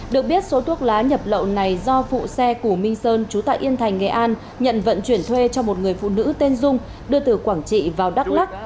được biết số thuốc lá nhập lậu này do phụ xe củ minh sơn trú tại yên thành nghệ an nhận vận chuyển thuê cho một người phụ nữ tên dung đưa từ quảng trị vào đắk lắc